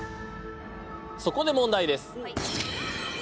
そこで問題です。